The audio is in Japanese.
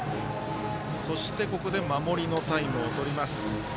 そして、ここで守りのタイムをとります。